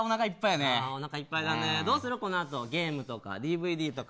この後ゲームとかＤＶＤとか。